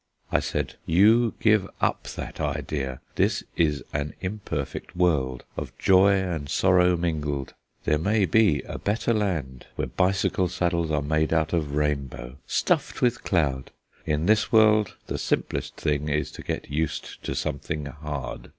I said: "You give up that idea; this is an imperfect world of joy and sorrow mingled. There may be a better land where bicycle saddles are made out of rainbow, stuffed with cloud; in this world the simplest thing is to get used to something hard.